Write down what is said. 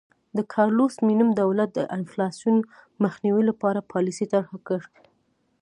د کارلوس مینم دولت د انفلاسیون مخنیوي لپاره پالیسي طرحه کړه.